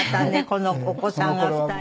このお子さんが２人。